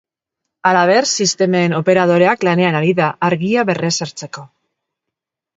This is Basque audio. Halaber, sistemen operadoreak lanean ari da argia berrezartzeko.